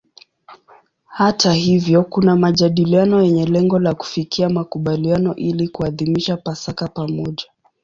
Hata hivyo kuna majadiliano yenye lengo la kufikia makubaliano ili kuadhimisha Pasaka pamoja.